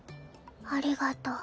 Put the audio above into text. ありがとう。